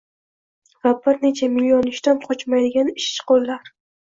va bir necha million ishdan qochmaydigan ishchi qo‘llar.